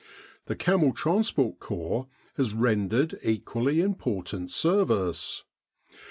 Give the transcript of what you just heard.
The Camel Transport Corps has ren dered equally important service.